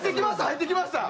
入ってきました。